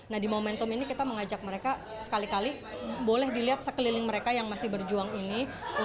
nah di momentum ini kita mengajak mereka sekali kali boleh dilihat sekeliling mereka yang masih berjuang ini